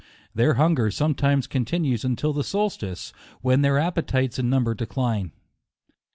Their hunger sometimes continues until the solstice, when their appetites and numbers decline.